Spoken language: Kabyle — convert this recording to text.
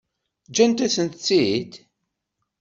Ǧǧan-asen-tent-id?